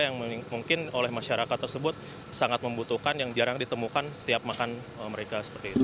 yang mungkin oleh masyarakat tersebut sangat membutuhkan yang jarang ditemukan setiap makan mereka seperti itu